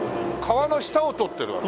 川の下を通ってるわけ？